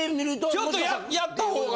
ちょっとやったほうが。